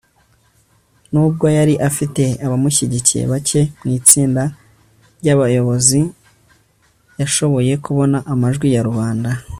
Nubwo yari afite abamushyigikiye bake mu itsinda ryabayobozi yashoboye kubona amajwi ya rubanda